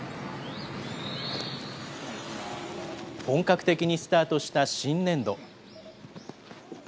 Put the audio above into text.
本格的にスタートした新年度。